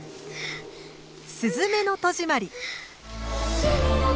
「すずめの戸締まり」